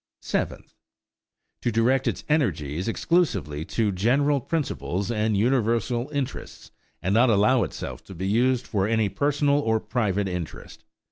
Seventh. To direct its energies exclusively to general principles and universal interests, and not allow itself to be used for any personal or private interest.